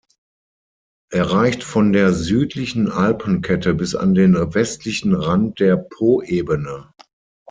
Er reicht von der südlichen Alpenkette bis an den westlichen Rand der Poebene.